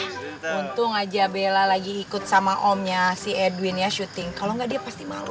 untung aja bella lagi ikut sama omnya si edwin ya syuting kalau enggak dia pasti malu